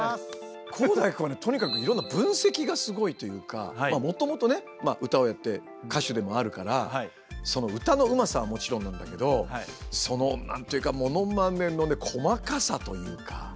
航大君はねとにかくいろんな分析がすごいというかもともとね歌をやって歌手でもあるから歌のうまさはもちろんなんだけどその何というかモノマネのね細かさというか。